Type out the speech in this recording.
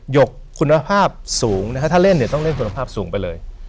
หกคุณภาพสูงนะฮะถ้าเล่นเนี่ยต้องเล่นคุณภาพสูงไปเลย